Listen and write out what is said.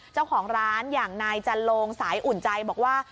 เจ้าของร้านอย่างนายจันโลงสายอุ่นใจบอกว่า